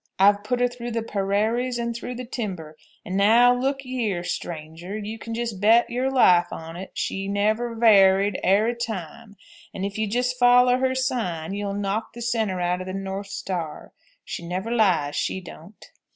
I've put her through the perarries and through the timber, and now look yeer, straanger, you can just bet your life on't she never var ried arry time, and if you'll just follow her sign you'll knock the centre outer the north star. She never lies, she don't."